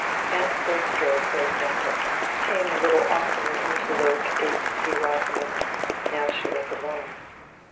Aunt Bulstrode, for example, came a little oftener into Lowick Gate to see Rosamond, now she was alone.